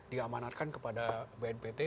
diamanatkan kepada bnpt